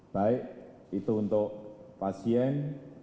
baik itu untuk pasien